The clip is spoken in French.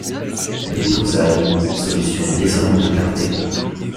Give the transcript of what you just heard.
L’épousaille, solution désolante de clarté.